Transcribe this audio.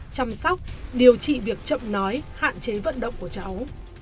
chăm sóc điều trị việc chậm nói hạn chế vận động của cháu